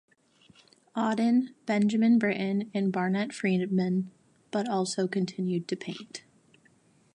Auden, Benjamin Britten and Barnett Freedman but also continued to paint.